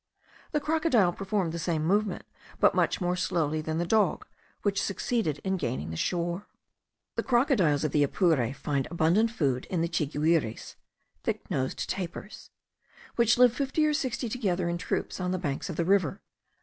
The crocodile performed the same movement, but much more slowly than the dog, which succeeded in gaining the shore. The crocodiles of the Apure find abundant food in the chiguires (thick nosed tapirs),* which live fifty or sixty together in troops on the banks of the river.